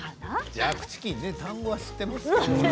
ジャークチキン単語は知っていますけれどね。